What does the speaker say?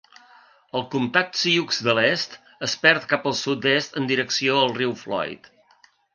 El Comtat Sioux de l 'Est es perd cap al sud-est en direcció al riu Floyd.